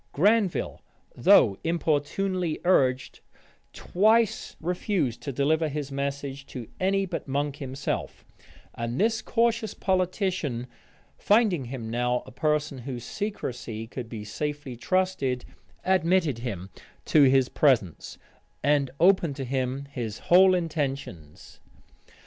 Granville, though importunately urged, twice refused to deliver his message to any but Monk himself; and this cautious politician, finding him now a person whose secrecy could be safely trusted, admitted him to his presence, and opened to him his whole intentions.